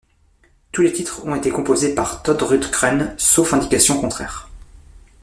Tous les titres ont été composés par Todd Rundgren, sauf indication contraire.